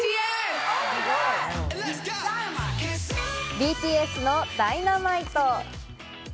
ＢＴＳの『Ｄｙｎａｍｉｔｅ』。